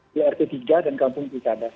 di rt tiga dan kampung pilkada